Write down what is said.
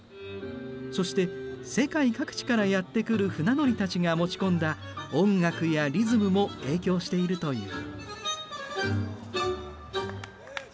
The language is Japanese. そして世界各地からやって来る船乗りたちが持ち込んだ音楽やリズムも影響しているという。